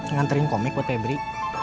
nganterin komik buat febri